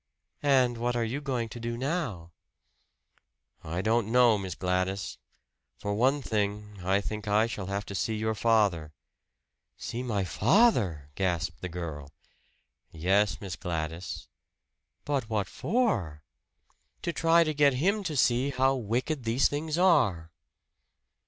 "And what are you going to do now?" "I don't know, Miss Gladys. For one thing, I think I shall have to see your father." "See my father!" gasped the girl. "Yes, Miss Gladys." "But what for?" "To try to get him to see how wicked these things are."